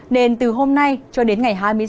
nên từ hôm nay cho đến ngày hai mươi sáu